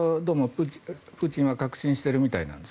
プーチンは確信しているみたいです。